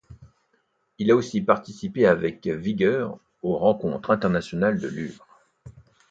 Il a aussi participé avec vigueur aux Rencontres internationales de Lure.